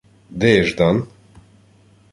— Де є Ждан?